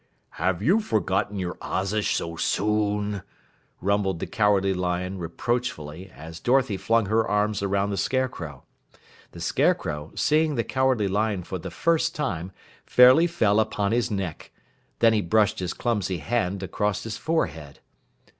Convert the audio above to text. "Have you forgotten your Ozish so soon?" rumbled the Cowardly Lion reproachfully as Dorothy flung her arms around the Scarecrow. The Scarecrow, seeing the Cowardly Lion for the first time, fairly fell upon his neck. Then he brushed his clumsy hand across his forehead.